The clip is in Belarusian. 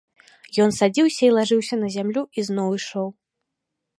Ён садзіўся і лажыўся на зямлю і зноў ішоў.